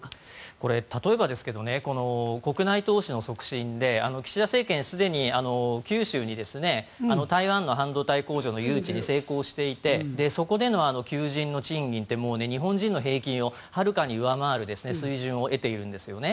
これ、例えばですが国内投資の促進で岸田政権、すでに九州に台湾の半導体工場の誘致に成功していてそこでの求人の賃金ってもう日本人の平均をはるかに上回る水準を得ているんですね。